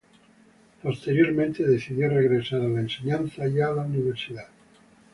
Posteriormente decidió regresar a la enseñanza y a la universidad.